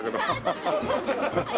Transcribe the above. ハハハッ！